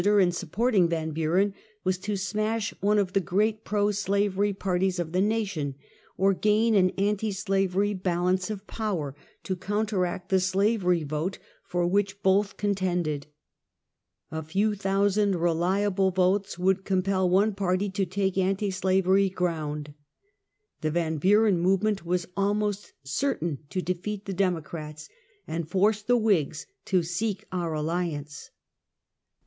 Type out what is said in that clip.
in supporting Yan Bu ren was to smash one of the great pro slavery par ties of the nation, or gain an anti slavery balance of power to counteract the slaverj^ vote for which both contended. A few thousand reliable votes would com pel one party to take anti slavery ground. The Yan Buren movement was almost certain to defeat the Dem ocrats, and force the Whigs to seek our alliance.